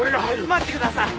待ってください